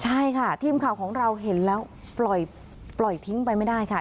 ใช่ค่ะทีมข่าวของเราเห็นแล้วปล่อยทิ้งไปไม่ได้ค่ะ